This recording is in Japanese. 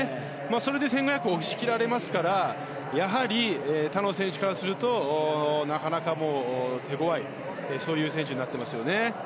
それで１５００を押し切られますからやはり他の選手からするとなかなか手ごわいそういう選手になっていますよね。